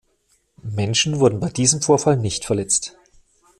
Menschen wurden bei diesem Vorfall nicht verletzt.